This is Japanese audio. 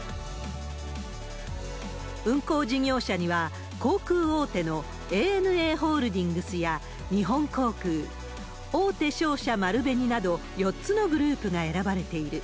運航事業者には、航空大手のＡＮＡホールディングスや日本航空、大手商社、丸紅など４つのグループが選ばれている。